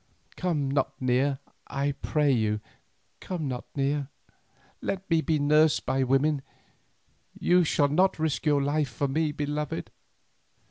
Come not near, I pray you, come not near. Let me be nursed by the women. You shall not risk your life for me, beloved."